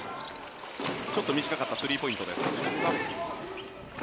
ちょっと短かったスリーポイントです。